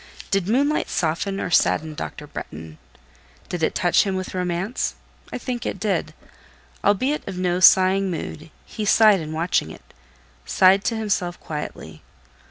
Did moonlight soften or sadden Dr. Bretton? Did it touch him with romance? I think it did. Albeit of no sighing mood, he sighed in watching it: sighed to himself quietly.